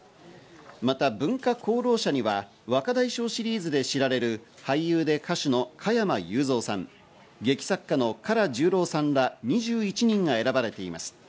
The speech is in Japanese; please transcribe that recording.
また文化功労者には若大将シリーズで知られる、俳優で歌手の加山雄三さん、劇作家の唐十郎さんら２１人が選ばれています。